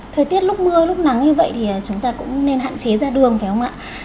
thời tiết lúc mưa lúc nắng như vậy thì chúng ta cũng nên hạn chế ra đường phải không ạ